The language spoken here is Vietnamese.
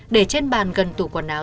để trên bàn gần tủ quần áo